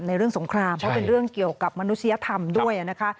เรื่องสงครามเพราะเป็นเรื่องเกี่ยวกับมนุษยธรรมด้วยนะคะ